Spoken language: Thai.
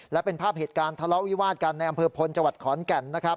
และเป็นภาพเหตุการณ์ทะเลาะวิวาดกันในอำเภอพลจังหวัดขอนแก่นนะครับ